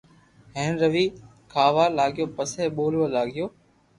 ھين روي کاھ وا لاگيو پسي ٻولئا لاگآو